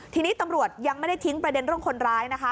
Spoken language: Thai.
ทีนี้ตำรวจยังไม่ได้ทิ้งประเด็นเรื่องคนร้ายนะคะ